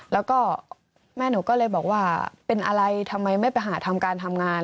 แล้วก็แม่หนูก็เลยบอกว่าเป็นอะไรทำไมไม่ไปหาทำการทำงาน